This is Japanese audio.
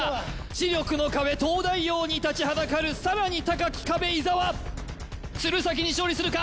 知力の壁東大王に立ちはだかるさらに高き壁伊沢鶴崎に勝利するか？